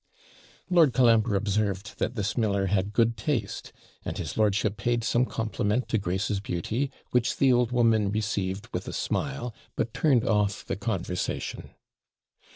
Lord Colambre observed, that this miller had good taste; and his lordship paid some compliment to Grace's beauty, which the old woman received with a smile, but turned off the conversation.